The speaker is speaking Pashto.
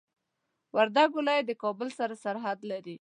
وردګ ولايت د کابل سره سرحد لري.